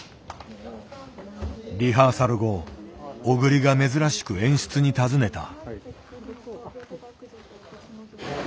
リハーサル後小栗が珍しく演出に尋ねた。